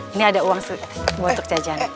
ini ada uang buat tukjajan